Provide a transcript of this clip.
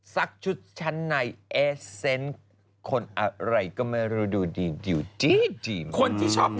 ซักชุดชั้นในเอเซ็น